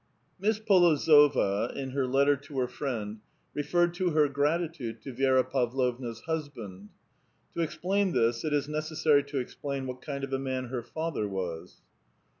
Miss P6lozova, in her letter to her friend, referred to her gratitude to Vi^ra Pavlovna's husband. To explain this it is necessary to explain what kind of a man her father was.